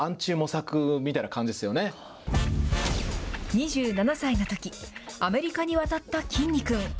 ２７歳のとき、アメリカに渡ったきんに君。